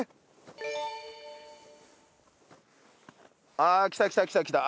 ああ来た来た来た来た！